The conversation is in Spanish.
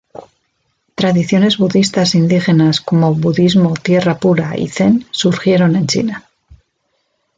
Tradiciones budistas indígenas como budismo Tierra Pura y Zen surgieron en China.